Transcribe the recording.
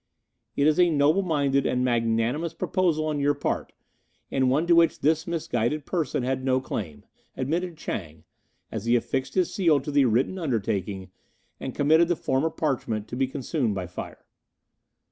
"It is a noble minded and magnanimous proposal on your part, and one to which this misguided person had no claim," admitted Chang, as he affixed his seal to the written undertaking and committed the former parchment to be consumed by fire.